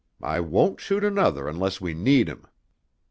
I won't shoot another unless we need him."